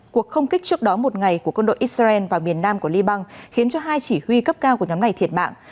cuộc không kích trước đó một ngày của quân đội israel vào miền nam của liban khiến cho hai chỉ huy cấp cao của nhóm này thiệt mạng